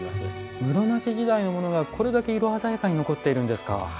室町時代のものがこれだけ色鮮やかに残っているんですか。